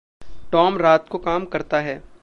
Tom रात को काम करता है।